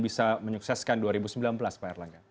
bisa menyukseskan dua ribu sembilan belas pak erlangga